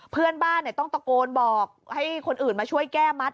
เพื่อนบ้านต้องตะโกนบอกให้คนอื่นมาช่วยแก้มัด